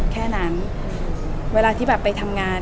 แค่นั้นเวลาที่แบบไปทำงาน